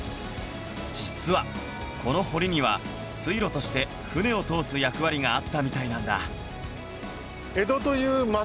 実はこの堀には水路として船を通す役割があったみたいなんだ